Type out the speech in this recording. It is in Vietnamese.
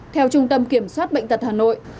theo trung tâm kiểm soát bệnh tật hà nội